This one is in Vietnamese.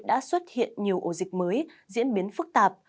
đã xuất hiện nhiều ổ dịch mới diễn biến phức tạp